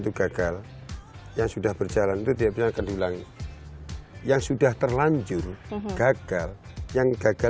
itu gagal yang sudah berjalan itu tiapnya akan diulangi yang sudah terlanjur gagal yang gagal